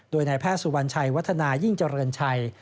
โดยนายแพทย์สุวรรณชัยวัฒนายิ่งเจริญชัย